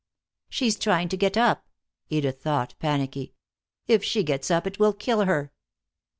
"She's trying to get up!" Edith thought, panicky. "If she gets up it will kill her."